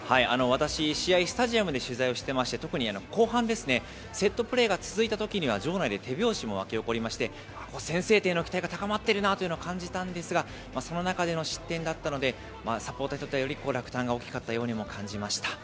私、試合、スタジアムで取材をしてまして、特に後半ですね、セットプレーが続いたときには、場内で手拍子も沸き起こりまして、先制点への期待が高まっているなというのを感じたんですが、その中での失点だったので、サポーターにとってはより落胆が大きかったようにも感じました。